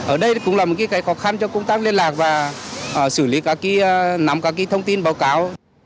ở đây cũng là một cái khó khăn cho công tác liên lạc và xử lý các cái nắm các cái thông tin báo cáo